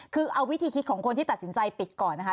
คือเอาวิธีคิดของคนที่ตัดสินใจปิดก่อนนะคะ